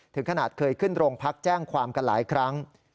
ถึงขนาดเคยขึ้นโรงพักแจ้งความกันหลายครั้ง